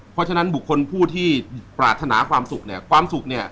เพราะฉะนั้นบุคคลผู้ที่ปราธนาความสุขเนี่ย